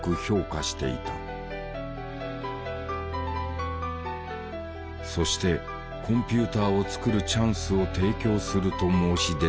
そしてコンピューターを作るチャンスを提供すると申し出たのだ。